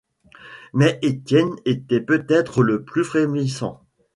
Mais Étienne était peut-être le plus frémissant.